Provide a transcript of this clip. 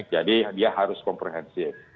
jadi dia harus komprehensif